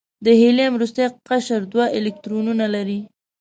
د هیلیم وروستی قشر دوه الکترونونه لري.